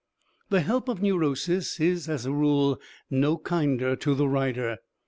The help of neurosis is as a rule no kinder to the rider.